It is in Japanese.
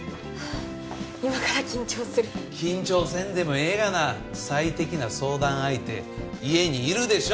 今から緊張する緊張せんでもええがな最適な相談相手家にいるでしょ！